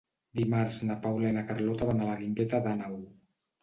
Dimarts na Paula i na Carlota van a la Guingueta d'Àneu.